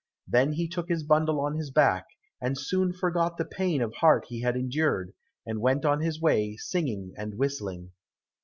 Then he took his bundle on his back and soon forgot the pain of heart he had endured, and went on his way singing and whistling.